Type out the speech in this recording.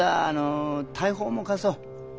あの大砲も貸そう。